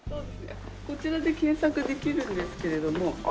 こちらで検索できるんですけれども。